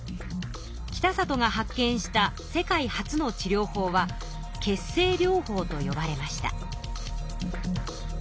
北里が発見した世界初の治療法は血清療法とよばれました。